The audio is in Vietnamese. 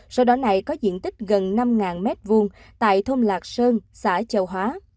sổ đỏ này có diện tích gần năm m hai tại thôm lạc sơn xã châu hóa